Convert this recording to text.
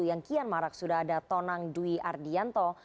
yang kian marak sudah ada tonang dwi ardianto